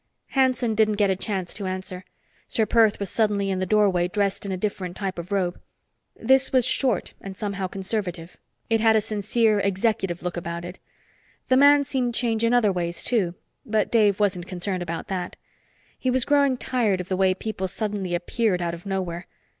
Hanson didn't get a chance to answer. Ser Perth was suddenly in the doorway, dressed in a different type of robe. This was short and somehow conservative it had a sincere, executive look about it. The man seemed changed in other ways, too. But Dave wasn't concerned about that. He was growing tired of the way people suddenly appeared out of nowhere.